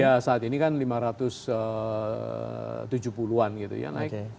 ya saat ini kan lima ratus tujuh puluh an gitu ya naik